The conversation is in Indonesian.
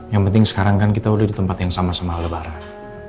yang penting sekarang kan kita udah di tempat yang sama sama lebaran